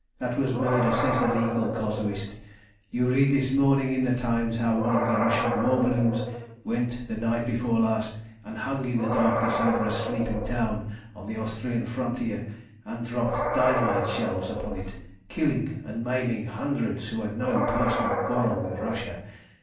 That was murder, says the legal casuist. You read this morning in the Times how one of the Russian war balloons went the night before last and hung in the darkness over a sleeping town on the Austrian frontier, and dropped dynamite shells upon it, killing and maiming hundreds who had no personal quarrel with Russia.